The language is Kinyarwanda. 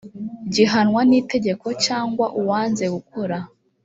gihanwa n itegeko cyangwa uwanze gukora